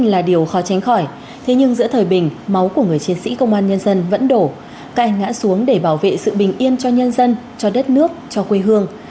là điều khó tránh khỏi thế nhưng giữa thời bình máu của người chiến sĩ công an nhân dân vẫn đổ cai ngã xuống để bảo vệ sự bình yên cho nhân dân cho đất nước cho quê hương